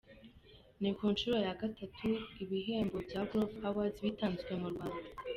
Ni ku nshuro ya Gatatu ibihembo bya Groove Awards bitanzwe mu Rwanda.